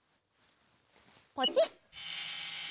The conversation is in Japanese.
ポチッ。